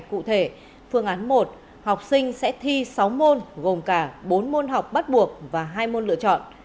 cụ thể phương án một học sinh sẽ thi sáu môn gồm cả bốn môn học bắt buộc và hai môn lựa chọn